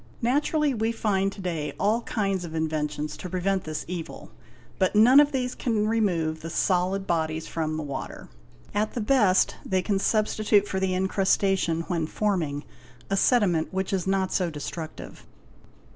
Naturally we find to day all kinds of inventions to prevent this evil; but none of these can remove the solid bodies from the water, at the best they can substitute for the incrustation, when forming, a sediment which is not so destructive.